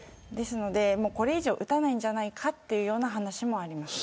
これ以上、撃たないんじゃないかという話もあります。